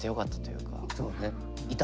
そうね。